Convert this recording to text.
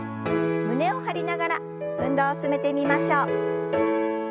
胸を張りながら運動を進めてみましょう。